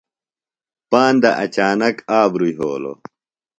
پاندہ اچانک آبرُوۡ یھولوۡ۔